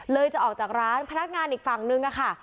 จะออกจากร้านพนักงานอีกฝั่งนึงค่ะ